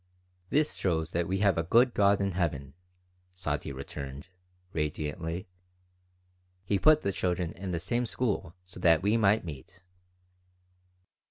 "This shows that we have a good God in heaven," Sadie returned, radiantly. "He put the children in the same school so that we might meet."